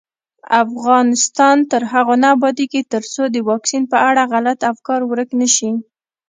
افغانستان تر هغو نه ابادیږي، ترڅو د واکسین په اړه غلط افکار ورک نشي.